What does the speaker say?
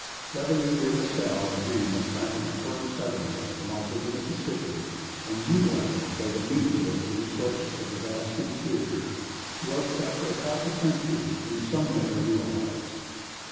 Cavelier de la Salle's dream of planting a firm settlement at the mouth of the Mississippi, and utilizing, by means of it, the resources of the vast interior, was, after half a century, in some measure realized.